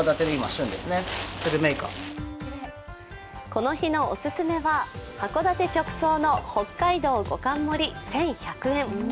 この日のオススメは函館直送の北海道５貫盛り、１１００円。